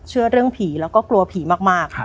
เชื่อเรื่องผีแล้วก็กลัวผีมาก